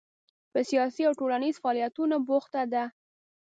په سیاسي او ټولنیزو فعالیتونو بوخته ده.